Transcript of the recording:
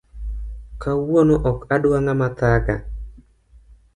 Kawuono ok adwa ngama thaga